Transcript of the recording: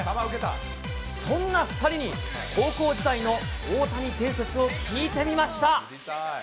そんな２人に、高校時代の大谷伝説を聞いてみました。